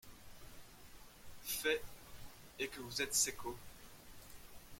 L’ fait est que vous êtes seccot…